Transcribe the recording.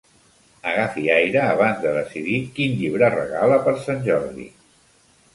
Agafi aire abans de decidir quin llibre regala per sant Jordi.